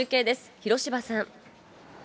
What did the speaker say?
広芝さん。